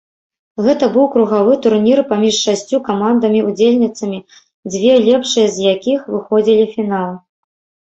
Гэта быў кругавы турнір паміж шасцю камандамі-ўдзельніцамі, дзве лепшыя з якіх выходзілі фінал.